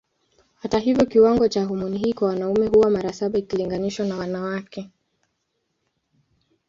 Hata hivyo kiwango cha homoni hii kwa wanaume huwa mara saba ikilinganishwa na wanawake.